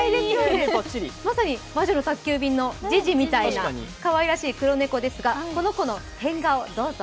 まさに「魔女の宅急便」のジジみたいなかわいらしい黒猫ですがこの子の変顔、どうぞ。